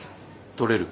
取れる？